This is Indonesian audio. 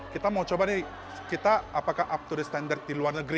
kita mau coba nih kita apakah up to restender di luar negeri